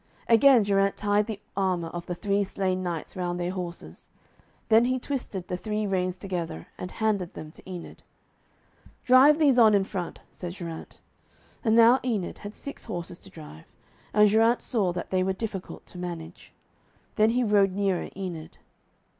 Again Geraint tied the armour of the three slain knights round their horses. Then he twisted the three reins together, and handed them to Enid. 'Drive these on in front,' said Geraint. And now Enid had six horses to drive, and Geraint saw that they were difficult to manage. Then he rode nearer Enid.